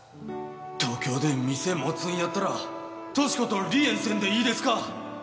東京で店持つんやったら俊子と離縁せんでいいですか？